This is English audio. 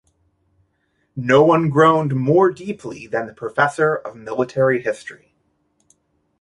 No one groaned more deeply than the professor of military history.